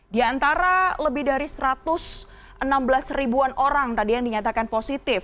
di antara lebih dari satu ratus enam belas ribuan orang tadi yang dinyatakan positif